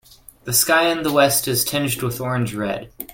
The sky in the west is tinged with orange red.